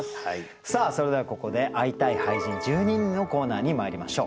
さあそれではここで「会いたい俳人、１２人」のコーナーにまいりましょう。